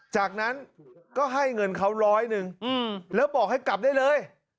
จากนั้นก็ให้เงินเขาร้อยหนึ่งแล้วบอกให้กลับได้เลย